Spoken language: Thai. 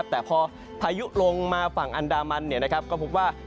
แต่พอพายุลงมาฝั่งอันดามันก็พบว่า